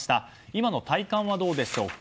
今の体感はどうでしょうか。